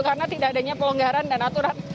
karena tidak adanya pelonggaran dan apapun